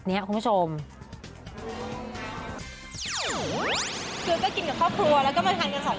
กดกินกับครอบครัวแล้วไปทันกัน๒คน